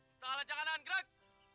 setengah lancar kanan gerak